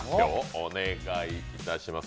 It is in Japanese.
お願いいたします。